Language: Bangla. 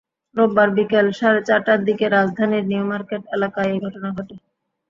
রোববার বিকেল সাড়ে চারটার দিকে রাজধানীর নিউমার্কেট এলাকায় এই ঘটনা ঘটে।